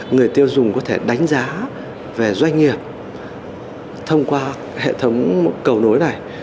người tiêu dùng có thể đánh giá về doanh nghiệp thông qua hệ thống cầu nối này